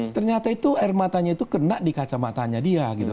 ternyata itu air matanya itu kena di kacamatanya dia gitu